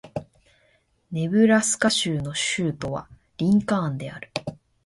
ネブラスカ州の州都はリンカーンである